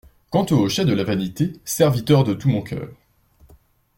Quant aux hochets de la vanité, serviteur de tout mon coeur.